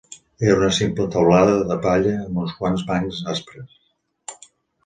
Era una simple teulada de palla amb uns quants bancs aspres.